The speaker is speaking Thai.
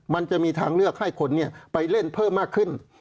มันจะมีทางเลือกให้คนไปเล่นเพิ่มมากขึ้น